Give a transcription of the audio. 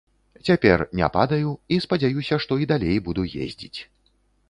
Цяпер не падаю і спадзяюся, што і далей буду ездзіць.